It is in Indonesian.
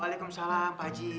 waalaikumsalam pak haji